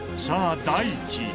さあ大地